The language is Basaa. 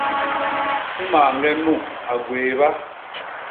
Mañge nu a gwééba.